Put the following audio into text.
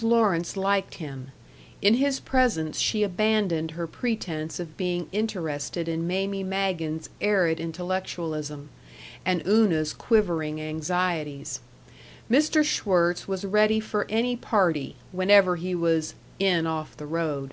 Lawrence liked him; in his presence she abandoned her pretense of being interested in Mamie Magen's arid intellectualism, and Una's quivering anxieties. Mr. Schwirtz was ready for any party, whenever he was "in off the road."